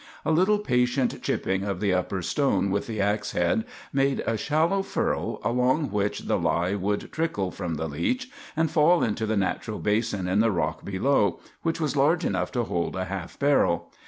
A little patient chipping of the upper stone with the ax head made a shallow furrow along which the lye would trickle from the leach, and fall into the natural basin in the rock below, which was large enough to hold a half barrel.